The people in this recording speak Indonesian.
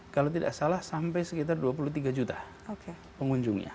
kalau tidak salah sampai sekitar dua puluh tiga juta pengunjungnya